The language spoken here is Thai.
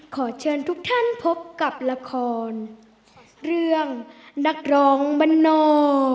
ขอเชิญทุกท่านพบกับราคาลเรื่องนักร้องบ้านนอก